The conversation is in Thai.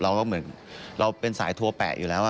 เราก็เหมือนเราเป็นสายทัวแปะอยู่แล้ว